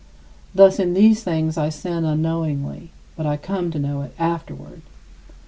Thus in these things I sin unknowingly, but I come to know it afterward. 50.